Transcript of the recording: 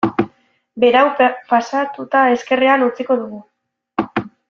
Berau pasatuta ezkerrean utziko dugu.